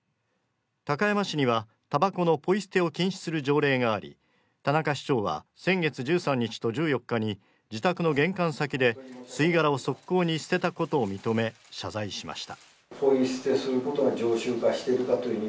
高山市にはタバコのポイ捨てを禁止する条例があり田中市長は先月１３日と１４日に自宅の玄関先で吸い殻を側溝に捨てたことを認め謝罪しました